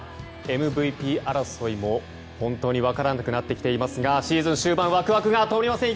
ＭＶＰ争いも本当に分からなくなってきていますがシーズン終盤ワクワクが止まりません！